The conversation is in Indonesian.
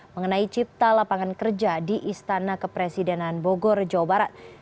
mengenai cipta lapangan kerja di istana kepresidenan bogor jawa barat